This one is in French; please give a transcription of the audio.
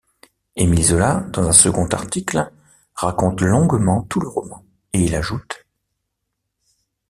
Emile Zola, dans un second article, raconte longuement tout le roman et il ajoute: ...